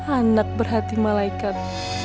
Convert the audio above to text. anak berhati malaikat